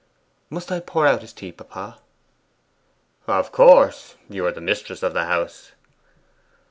'Must I pour out his tea, papa?' 'Of course; you are the mistress of the house.